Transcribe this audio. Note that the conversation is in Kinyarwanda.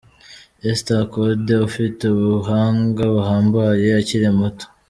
Esther Okade ufite ubuhanga buhambaye akiri muto.